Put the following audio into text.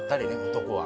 男は